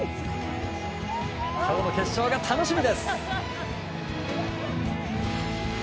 今夜の決勝が楽しみです！